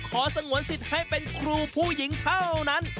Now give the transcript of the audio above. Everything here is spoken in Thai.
สงวนสิทธิ์ให้เป็นครูผู้หญิงเท่านั้น